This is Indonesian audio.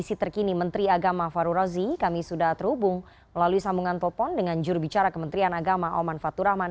kondisi terkini menteri agama faru razi kami sudah terhubung melalui sambungan topon dengan juru bicara kementerian agama oman fathur rahman